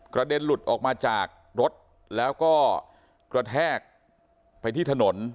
เด็นหลุดออกมาจากรถแล้วก็กระแทกไปที่ถนน